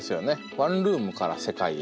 ワンルームから世界へ。